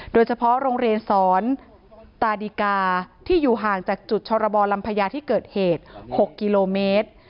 โดยเฉพาะโรงเรียนสอนตาดิกาที่อยู่ห่างจากจุดชรบรลำพญาที่เกิดเหตุ๖กิโลเมตร